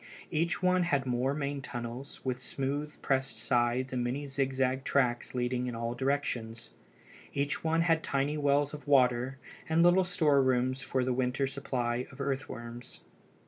Each had one or more main tunnels, with smooth pressed sides and many zigzag side tracks leading in all directions. Each one had tiny wells of water, and little storerooms for the winter supply of earthworms.